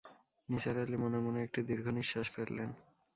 নিসার আলি মনে-মনে একটি দীর্ঘনিঃশ্বাস ফেললেন।